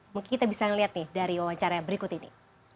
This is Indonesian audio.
mungkin kita bisa melihat nih dari wawancara berikut ini